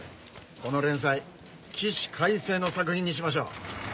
この連載起死回生の作品にしましょう。